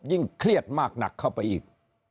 เครียดมากหนักเข้าไปอีก